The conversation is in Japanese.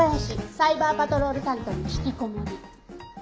サイバーパトロール担当の引きこもり。